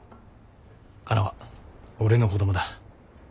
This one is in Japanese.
カナは俺の子どもだ。